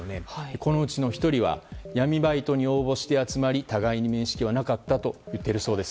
このうちの１人は闇バイトに応募して集まり互いに面識はなかったと言っているそうです。